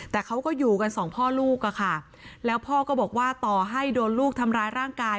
แต่เขาก็อยู่กันสองพ่อลูกอะค่ะแล้วพ่อก็บอกว่าต่อให้โดนลูกทำร้ายร่างกาย